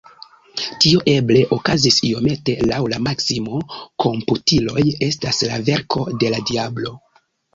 Tio eble okazis iomete laŭ la maksimo “komputiloj estas la verko de la diablo.